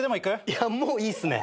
いやもういいっすね。